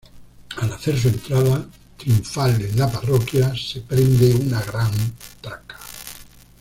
Al hacer su entrada triunfal en la parroquia se prende una gran traca.